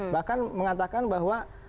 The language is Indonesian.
bahkan mengatakan bahwa